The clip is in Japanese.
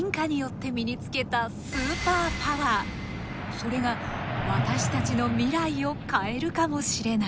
それが私たちの未来を変えるかもしれない。